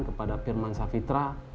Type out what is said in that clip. kepada pirmansa fitra